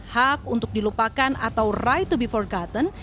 hak untuk dilupakan atau right to be forgiven